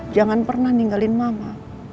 jangan pernah ninggalin mama